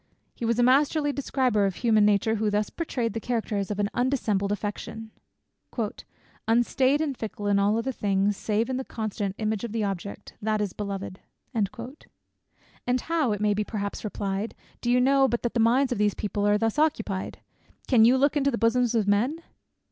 He was a masterly describer of human nature, who thus pourtrayed the characters of an undissembled affection; "Unstaid and fickle in all other things, Save in the constant image of the object, That is beloved." "And how," it may be perhaps replied, "do you know, but that the minds of these people are thus occupied? Can you look into the bosoms of men?"